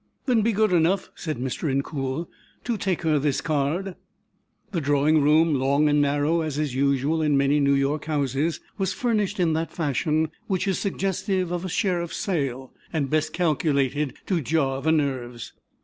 "Then be good enough," said Mr. Incoul, "to take her this card." The drawing room, long and narrow, as is usual in many New York houses, was furnished in that fashion which is suggestive of a sheriff's sale, and best calculated to jar the nerves.